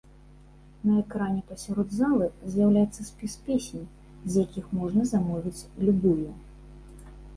На экране пасярод залы з'яўляецца спіс песень, з якіх можна замовіць любую.